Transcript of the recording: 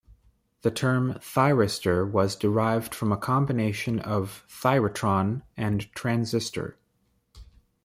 The term "thyristor" was derived from a combination of "thyratron" and "transistor".